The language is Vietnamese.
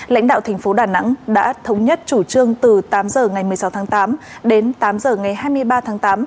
lãnh đạo thành phố đà nẵng đã thống nhất chủ trương từ tám h ngày một mươi sáu tháng tám đến tám h ngày hai mươi ba tháng tám